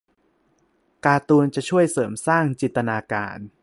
การ์ตูนจะช่วยเสริมสร้างจินตนาการ